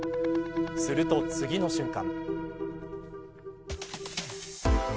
すると、次の瞬間。